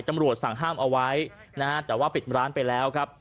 ตำรวจสั่งห้ามเอาไว้นะฮะแต่ว่าปิดร้านไปแล้วครับ